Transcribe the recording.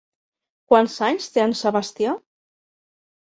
Quants anys té en Sebastià?